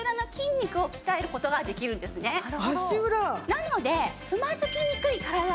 なので。